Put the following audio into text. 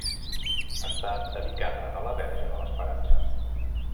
Està dedicada a la Verge de l'Esperança.